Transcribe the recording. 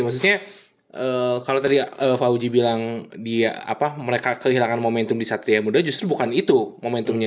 maksudnya kalau tadi fauji bilang mereka kehilangan momentum di satria muda justru bukan itu momentumnya